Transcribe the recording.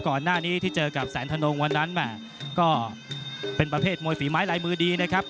ก่อนหน้านี้ที่เจอกับแสนธนงวันนั้นก็เป็นประเภทมวยฝีไม้ลายมือดีนะครับ